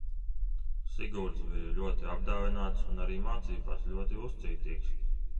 Sigurds bija ļoti apdāvināts un arī mācībās ļoti uzcītīgs.